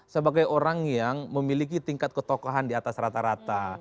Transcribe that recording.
sebagai orang yang memiliki tingkat ketokohan di atas rata rata